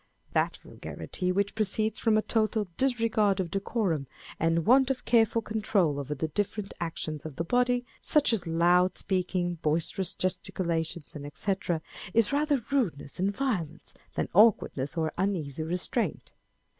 (That vulgarity which proceeds from a total disregard of decorum, and want of careful control over the different actions of the body â€" such as loud speaking, boisterous gesticulations, &c. â€" is rather rudeness and violence, than awkwardness or uneasy restraint.)